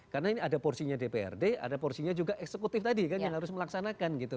karena ini ada porsinya dprd ada porsinya juga eksekutif tadi kan yang harus melaksanakan gitu